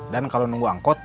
dan kalau nunggu angkot